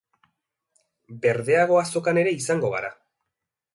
Berdeago azokan ere izango gara.